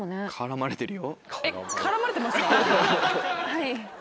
はい。